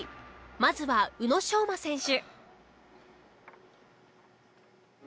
まずは宇野昌磨選手。